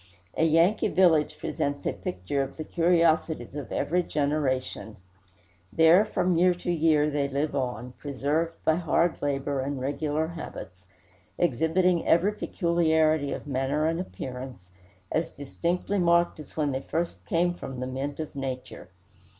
A Yankee village presents a picture of the curiosities of every generation: there from year to year, they live on, preserved by hard labor and regular habits, exhibiting every peculiarity of manner and appearance, as distinctly marked as when they first came from the mint of nature.